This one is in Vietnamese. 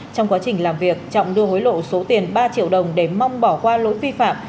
trong quá trình làm việc trọng đưa hối lộ số tiền ba triệu đồng để mong bỏ qua lỗi vi phạm